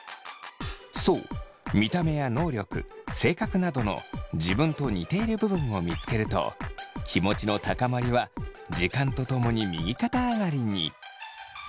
そう見た目や能力性格などの自分と似ている部分を見つけると気持ちの高まりは時間とともに右肩上がりに。